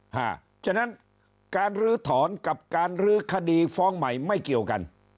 เพราะฉะนั้นการลื้อถอนกับการลื้อคดีฟ้องใหม่ไม่เกี่ยวกัน